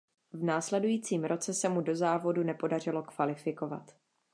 V následujícím roce se mu do závodu nepodařilo kvalifikovat.